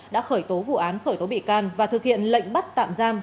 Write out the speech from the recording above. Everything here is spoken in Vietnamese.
đã khởi tố vụ án khởi tố bị can và thực hiện lệnh bắt tạm giam